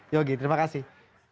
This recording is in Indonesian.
yogi terima kasih